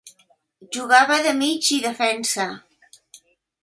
Jugava de mig i defensa.